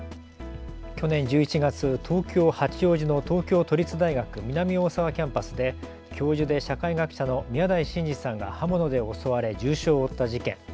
去年１１月、東京八王子の東京都立大学南大沢キャンパスで教授で社会学者の宮台真司さんが刃物で襲われ重傷を負った事件。